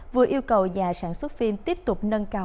vừa yêu cầu nhà sản xuất phim tiếp tục nâng cao